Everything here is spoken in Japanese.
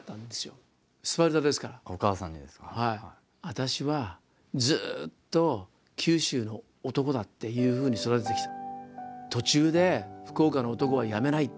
「私はずっと九州の男だっていうふうに育ててきた」と。